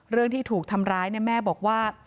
เรื่องที่ถูกทำร้ายแม่บอกว่า